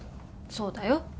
そうだよ